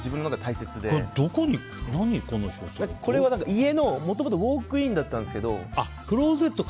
家のもともとウォークインだったんですけど。